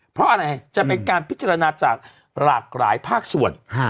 เพราะอะไรจะเป็นการพิจารณาจากหลากหลายภาคส่วน